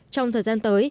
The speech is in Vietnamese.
trong thời gian tới